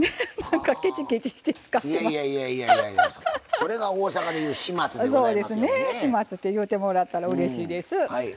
そうですね始末って言うてもらったらうれしいです。